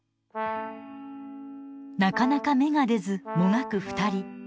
なかなか芽が出ずもがく２人。